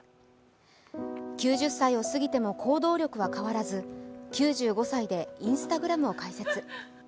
９０歳を過ぎても行動力は変わらず、９５歳でＩｎｓｔａｇｒａｍを開設。